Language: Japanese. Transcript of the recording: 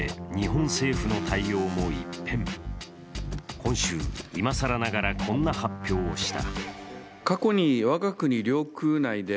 今週、今さらながらこんな発表をした。